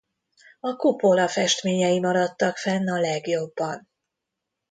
A kupola festményei maradtak fenn a legjobban.